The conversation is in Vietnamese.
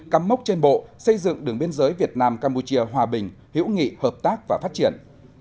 cắm mốc trên bộ xây dựng đường biên giới việt nam campuchia hòa bình hữu nghị hợp tác và phát triển